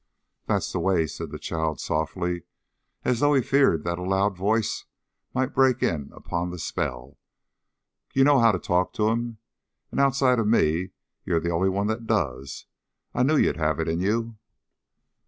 "That's the way!" said the child softly, as though he feared that a loud voice might break in upon the spell. "You know how to talk to him! And, outside of me, you're the only one that does! I knew you'd have it in you!"